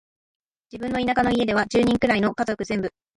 自分の田舎の家では、十人くらいの家族全部、